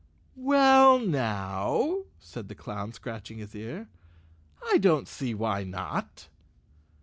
"Well, now," said the clown, scratching his ear, "I don't see why not."